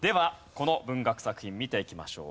この文学作品見ていきましょう。